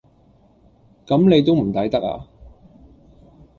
咁你都唔抵得呀？